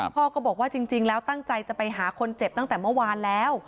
พ่อก็บอกว่าจริงแล้วตั้งใจจะไปหาคนเจ็บตั้งแต่เมื่อวานแล้ว